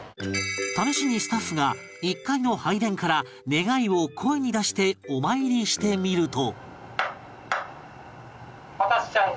試しにスタッフが１階の拝殿から願いを声に出してお参りしてみると